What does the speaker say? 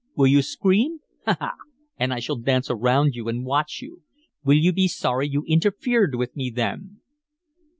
Will you scream? Ha, ha! and I shall dance around you and watch you. Will you be sorry you interfered with me then?"